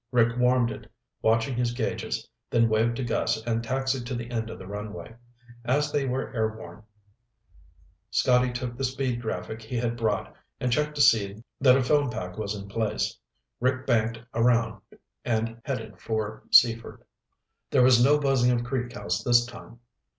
Rick warmed it, watching his gauges, then waved to Gus and taxied to the end of the runway. As they were airborne, Scotty took the speed graphic he had brought and checked to see that a film pack was in place. Rick banked around and headed for Seaford. There was no buzzing of Creek House this time.